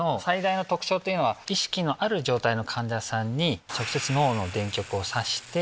というのは意識のある状態の患者さんに直接脳の電極を挿して。